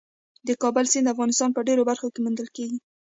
د کابل سیند د افغانستان په ډېرو برخو کې موندل کېږي.